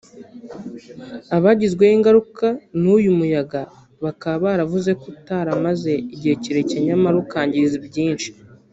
abagizweho ingaruka n’uyu muyaga bakaba baravuze ko utaramaze igihe kirekire nyamara ukangiza byinshi